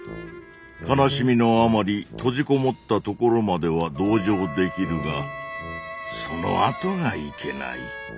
悲しみのあまり閉じこもったところまでは同情できるがそのあとがいけない。